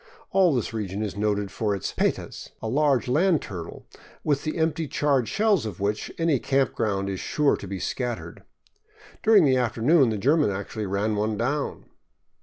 All this region is noted for its petas, a large land turtle, with the empty charred shells of which any camping ground is sure to be scattered. During the afternoon the German actually ran one down.